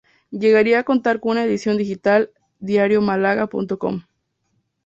Llegaría a contar con una edición digital —"diariomalaga.com"—.